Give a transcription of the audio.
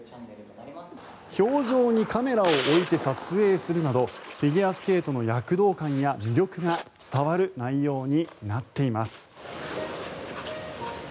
氷上にカメラを置いて撮影するなどフィギュアスケートの躍動感や魅力が伝わる内容になっています。